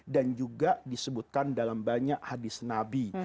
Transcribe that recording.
dan juga disebutkan dalam banyak hadis nabi